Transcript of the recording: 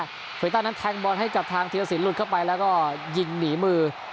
เวยต้านั้นแทงบอลให้กับทางธีรสินหลุดเข้าไปแล้วก็ยิงหนีมือ